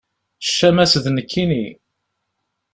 Ccama-s d nekkinni.